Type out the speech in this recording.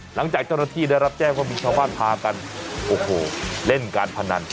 หลังจากเจ้าหน้าที่ได้รับแจ้งว่ามีชาวบ้านพากันโอ้โหเล่นการพนัน